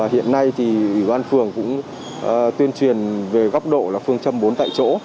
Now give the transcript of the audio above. hiện nay thì ủy ban phường cũng tuyên truyền về góc độ là phương châm bốn tại chỗ